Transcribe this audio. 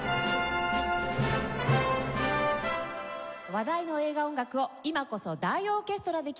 「話題の映画音楽を今こそ大オーケストラで聴く音楽会」。